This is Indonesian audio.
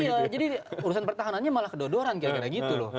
iya jadi urusan pertahanannya malah kedua dua orang kira kira gitu loh